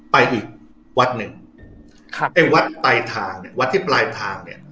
ไปอีกวัดหนึ่งครับไอ้วัดไตทางเนี่ยวัดที่ปลายทางเนี่ย